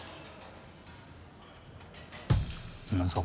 何ですか？